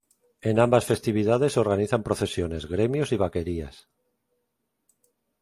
En ambas festividades se organizan procesiones, gremios y vaquerías.